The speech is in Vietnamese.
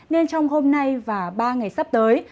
nên trong hôm nay và ba ngày sắp tới